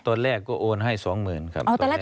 ตอนแรกก็โอนให้สองหมื่นครับ